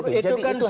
itu kan suatu hal